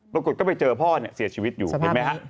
ปรากฏก็ไปเจอพ่อเนี่ยเสียชีวิตอยู่เห็นไหมฮะ